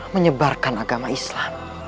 menyebarkan agama islam